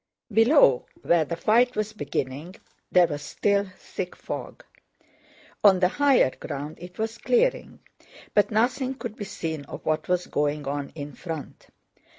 Below, where the fight was beginning, there was still thick fog; on the higher ground it was clearing, but nothing could be seen of what was going on in front.